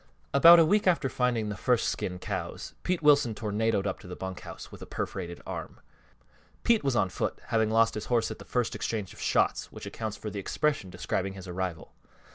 About a week after the finding of the first skinned cows, Pete Wilson tornadoed up to the bunk house with a perforated arm. Pete was on foot, having lost his horse at the first exchange of shots, which accounts for the expression describing his arrival.